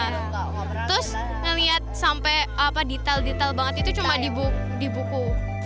terus ngelihat sampai detail detail banget itu cuma di buku